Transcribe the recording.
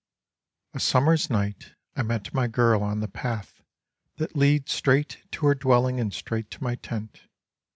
A SUMMER'S night I met my girl on the path That leads straight to her dwelling and straight to my tent.